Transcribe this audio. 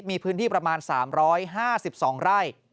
มีพื้นที่ประมาณ๓๕๒ไร่